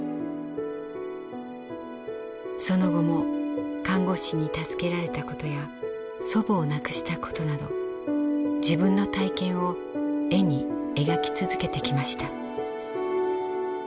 その後も看護師に助けられたことや祖母を亡くしたことなど自分の体験を絵に描き続けてきました。